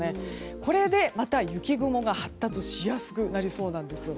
これで、また雪雲が発達しやすくなりそうなんです。